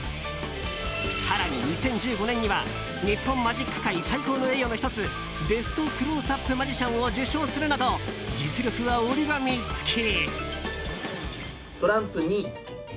更に、２０１５年には日本マジック界最高の栄誉の１つベスト・クロースアップ・マジシャンを受賞するなど実力は折り紙付き。